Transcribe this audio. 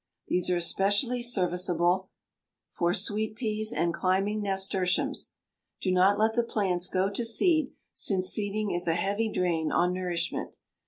These are especially serviceable for sweet peas and climbing nasturtiums. Do not let the plants go to seed, since seeding is a heavy drain on nourishment.